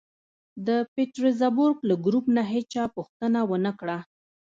د پېټرزبورګ له ګروپ نه هېچا پوښتنه و نه کړه